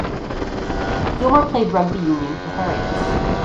Gilmour played rugby union for Heriots.